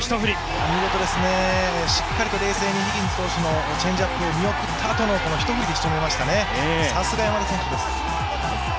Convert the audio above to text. お見事ですね、しっかりと冷静にヒギンス選手のチェンジアップを見送ったあとのこの一振りで仕留めましたね、さすが山田選手です。